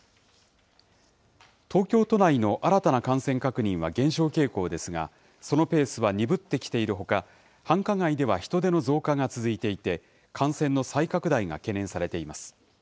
東京都内の新たな感染確認は減少傾向ですが、そのペースは鈍ってきているほか、繁華街では人出の増加が続いていて、感染の再拡大が懸念されています。